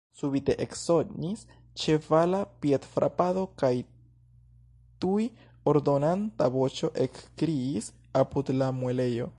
Subite eksonis ĉevala piedfrapado, kaj tuj ordonanta voĉo ekkriis apud la muelejo.